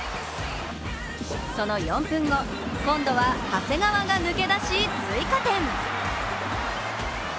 その４分後、今度は長谷川が抜け出し追加点。